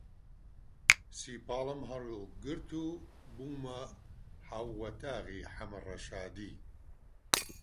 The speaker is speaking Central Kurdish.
سیپاڵم هەڵگرت و بوومە هاووەتاغی حەمە ڕەشادی